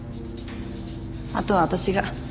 あとは私が。